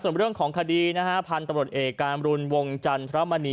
ส่วนเรื่องของคดีนะคะพันธรเอกาหมรุนวงจัน